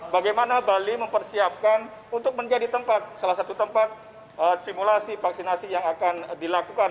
bagaimana bali mempersiapkan untuk menjadi tempat salah satu tempat simulasi vaksinasi yang akan dilakukan